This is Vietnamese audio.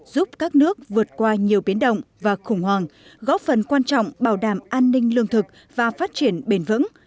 giúp các nước vượt qua nhiều biến động và khủng hoảng góp phần quan trọng bảo đảm an ninh lương thực và phát triển bền vững